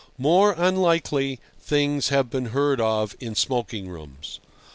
More unlikely things have been heard of in smoking rooms.